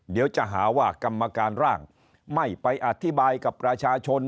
เดี๋ยวจะหาว่ากรรมการร่างไม่ไปอธิบายกับประชาชน